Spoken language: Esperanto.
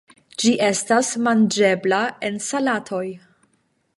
Ĝi estas manĝebla en salatoj.